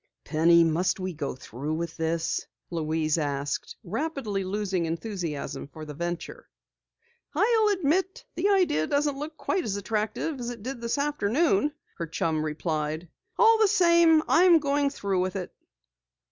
"Penny, must we go through with this?" Louise asked, rapidly losing enthusiasm for the venture. "I'll admit the idea doesn't look quite as attractive as it did this afternoon," her chum replied. "All the same, I'm going through with it!"